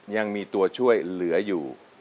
ยังมีตัวช่วยเหลืออยู่